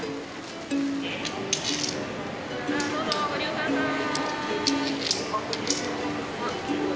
どうぞご利用ください。